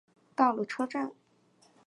到了车站